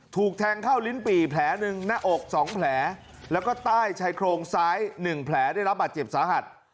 ถูกแทงเข้าลิ้นปี่แผลหนึ่งหน้าอก๒แผลแล้วก็ใต้ชายโครงซ้าย๑แผลได้รับบาดเจ็บสาหัส